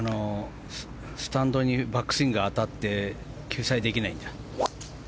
スタンドにバックスイングが当たって救済できないんだ。